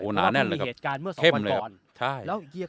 เพราะมีเหตุการณ์เมื่อสองวันก่อน